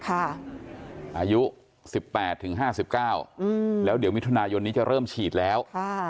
อายุ๑๘๕๙แล้วเดี๋ยวมิถุนายนนี้จะเริ่มฉีดแล้ว